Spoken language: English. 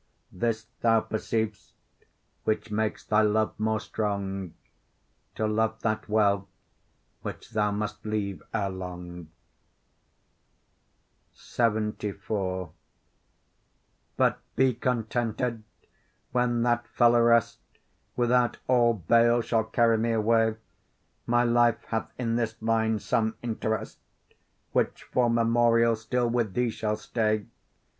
This thou perceiv'st, which makes thy love more strong, To love that well, which thou must leave ere long. LXXIV But be contented: when that fell arrest Without all bail shall carry me away, My life hath in this line some interest, Which for memorial still with thee shall stay.